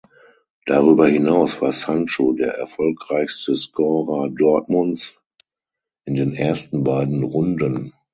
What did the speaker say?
Darüber hinaus war Sancho der erfolgreichste Scorer Dortmunds in den ersten beiden Runden.